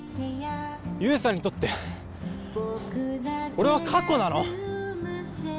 悠さんにとって俺は過去なの？